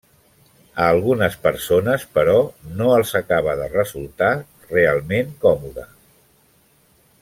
A algunes persones, però, no els acaba de resultar realment còmode.